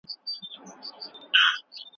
د جرګي غړو به د هیواد د کلتور د ساتنې هڅه کوله.